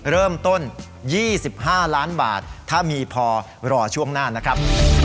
เริ่มต้น๒๕ล้านบาทถ้ามีพอรอช่วงหน้านะครับ